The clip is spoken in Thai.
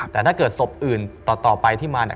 แต่ถ้าเกิดศพอื่นต่อไปที่มาเนี่ย